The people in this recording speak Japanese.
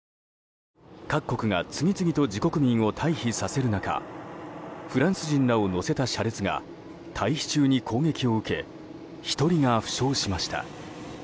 各国が次々と自国民を退避させる中フランス人らを乗せた車列が退避中に攻撃を受け１人が負傷しました。